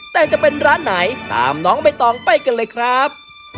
แต่จะเป็นร้านไหนตามน้องใบตองไปกันเลยครับ